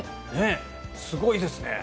すごいですね。